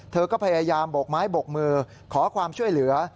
เธอก็พยายามโบกไม้บกมือขอความช่วยเหลือ